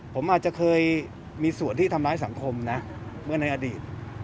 ผมอาจจะเคยมีส่วนที่ทำร้ายสังคมนะเมื่อในอดีต